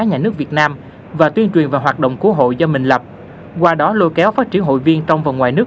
nhà nước việt nam và tuyên truyền về hoạt động của hội do mình lập qua đó lôi kéo phát triển hội viên trong và ngoài nước